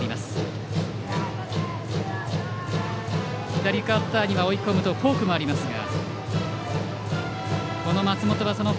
左バッターに追い込むとフォークもありますが。